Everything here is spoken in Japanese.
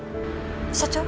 社長？